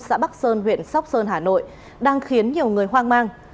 xã bắc sơn huyện sóc sơn hà nội đang khiến nhiều người hoang mang